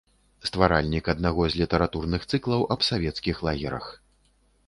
Стваральнік аднаго з літаратурных цыклаў аб савецкіх лагерах.